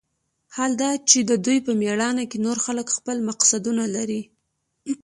حال دا چې د دوى په مېړانه کښې نور خلق خپل مقصدونه لري.